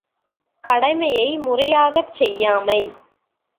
கடமையை முறையாகச் செய்யாமை.